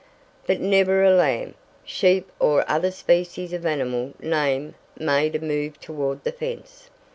But never a lamb, sheep or other species of animal named made a move toward the fence.